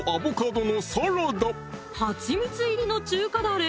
はちみつ入りの中華だれ？